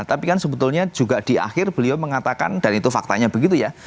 tapi kan sebetulnya juga di akhir beliau mengatakan dan itu faktanya begitu ya